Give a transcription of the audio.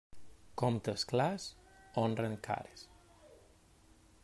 Comptes clars, honren cares.